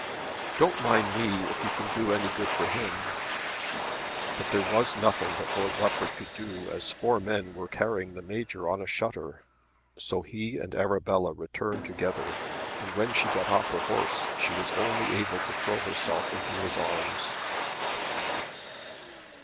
"Don't mind me if you can do any good to him." But there was nothing that Lord Rufford could do as four men were carrying the Major on a shutter. So he and Arabella returned together, and when she got off her horse she was only able to throw herself into his arms.